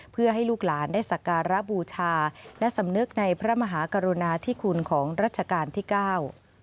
เพื่อให้ลูกหลานได้สักการะบูชาและสำนึกในพระมหากรุณาธิคุณของรัชกาลที่เก้า